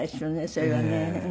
それはね。